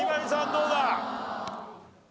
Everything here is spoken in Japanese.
どうだ？